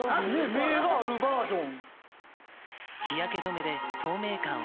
目があるバージョン。